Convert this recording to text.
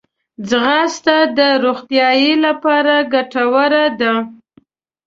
ځغاسته د روغتیا لپاره ګټوره ده